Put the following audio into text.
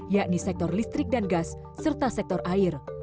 yakni sektor listrik dan gas serta sektor air